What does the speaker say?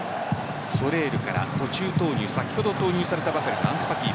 ソレールから途中投入先ほど投入さたばかりのアンスファティ。